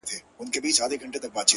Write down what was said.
o هسې سترگي پـټـي دي ويــــده نــه ده؛